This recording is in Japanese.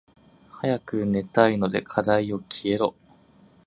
早く寝たいので課題よ消えろ。